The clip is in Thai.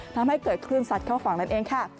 ทำให้เกิดขึ้นสัตว์เข้าฝังนั่นเองค่ะ